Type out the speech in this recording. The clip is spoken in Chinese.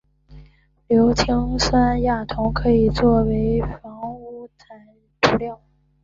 硫氰酸亚铜可以用作防污涂料。